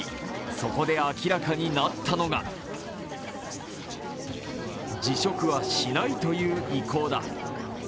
そこで明らかになったのが辞職はしないという意向だ。